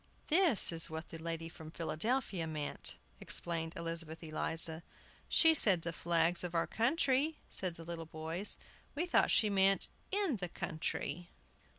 "That is what the lady from Philadelphia meant," explained Elizabeth Eliza. "She said the flags of our country," said the little boys. "We thought she meant 'in the country.